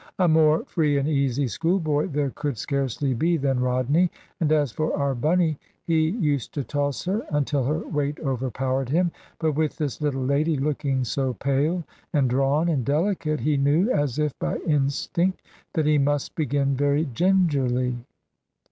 A more free and easy schoolboy there could scarcely be than Rodney; and as for our Bunny, he used to toss her, until her weight overpowered him. But with this little lady looking so pale, and drawn, and delicate, he knew (as if by instinct) that he must begin very gingerly.